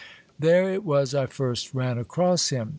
There it was I first ran across him.